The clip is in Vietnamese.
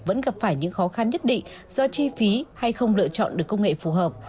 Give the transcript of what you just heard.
vẫn gặp phải những khó khăn nhất định do chi phí hay không lựa chọn được công nghệ phù hợp